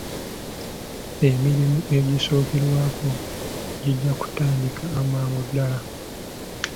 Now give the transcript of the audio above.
Emirimu egisookerwako gijja kutandika amangu ddaala.